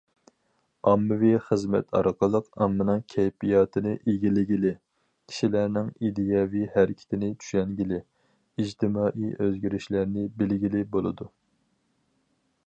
ئاممىۋى خىزمەت ئارقىلىق ئاممىنىڭ كەيپىياتىنى ئىگىلىگىلى، كىشىلەرنىڭ ئىدىيەۋى ھەرىكىتىنى چۈشەنگىلى، ئىجتىمائىي ئۆزگىرىشلەرنى بىلگىلى بولىدۇ.